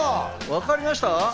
分かりました。